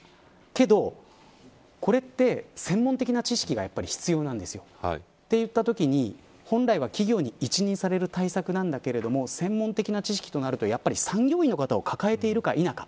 けどこれって、専門的な知識がやっぱり必要なんですよ。といったときに、本来は企業に一任される対策なんでけれども専門的な知識となるとやっぱり産業医の方を抱えているか否か。